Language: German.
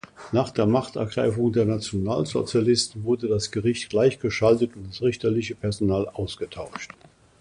Nach der Machtergreifung der Nationalsozialisten wurde das Gericht gleichgeschaltet und das richterliche Personal ausgetauscht.